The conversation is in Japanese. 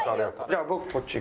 じゃあ僕こっち。